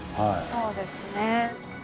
そうですね。